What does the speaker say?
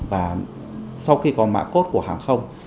và sau khi có mạng cốt của hàng không